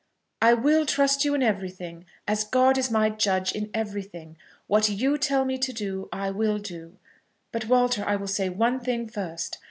"I will trust you in everything; as God is my judge, in everything. What you tell me to do, I will do. But, Walter, I will say one thing first.